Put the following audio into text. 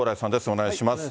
お願いします。